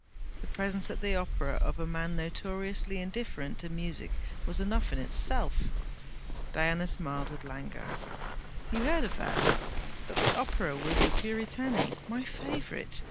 The presence at the Opera of a man notoriously indifferent to music was enough in itself.' Diana smiled with languor. 'You heard of that? But the Opera was The Puritani, my favourite.